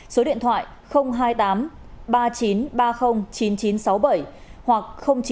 số điện thoại hai mươi tám ba mươi chín ba mươi chín nghìn chín trăm sáu mươi bảy hoặc chín trăm linh bảy năm trăm bảy mươi bốn hai trăm sáu mươi chín